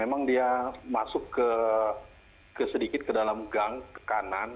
memang dia masuk sedikit ke dalam gang kanan